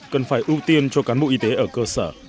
cần phải ưu tiên cho cán bộ y tế ở cơ sở